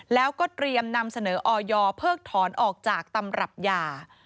แล้วก็เตรียมนำเสนอออยเพิกถอนออกจากตำรับยา